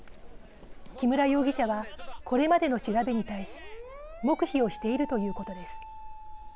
木村容疑者はこれまでの調べに対し黙秘をしているということです。